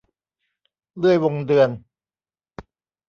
เลื่อยวงเดือน